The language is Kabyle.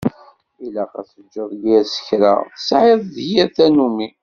Ilaq ad teǧǧeḍ yir skra tesεiḍ d yir tannumi.